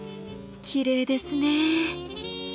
きれいですね。